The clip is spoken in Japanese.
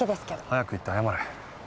早く行って謝れ。